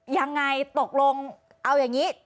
ยังไงตกลงเอาอย่างนี้